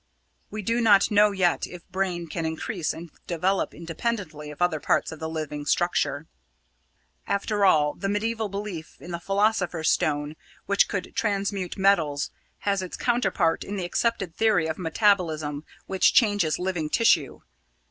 We do not know yet if brain can increase and develop independently of other parts of the living structure. "After all, the mediaeval belief in the Philosopher's Stone which could transmute metals, has its counterpart in the accepted theory of metabolism which changes living tissue.